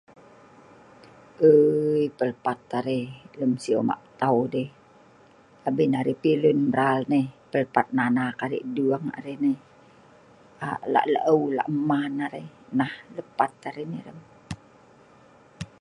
uui pelpat arai lem siu ma tau dei abin arai pi lun mral nai pelpat ngan anak arai dung arai nai ai lak laeu lak man arai neh pelpat arai nai hrem